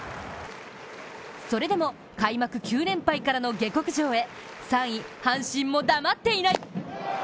それでも開幕９連敗からの下克上へ、３位・阪神も黙っていない。